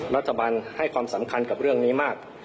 รัฐบาลให้ความสำคัญกับเรื่องนี้มาก